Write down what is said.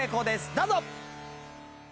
どうぞ！